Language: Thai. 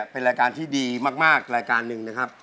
เป็นรายการที่ดีมากรายการหนึ่งนะครับ